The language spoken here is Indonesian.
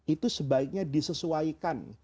itu sebaiknya disesuaikan